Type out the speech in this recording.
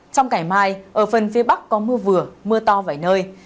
trong ngày mai ở phần phía bắc có mưa vừa mưa to vài nơi